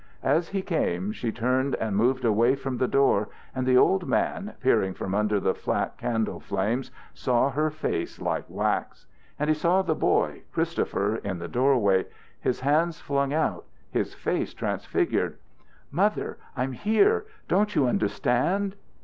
As he came she turned and moved away from the door, and the old man, peering from under the flat candle flames, saw her face like wax. And he saw the boy, Christopher, in the doorway, his hands flung out, his face transfigured. "Mother! I'm here! Don't you understand?"